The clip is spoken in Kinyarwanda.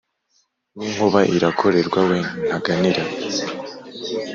n'inkuba irakorerwa we ntaganira,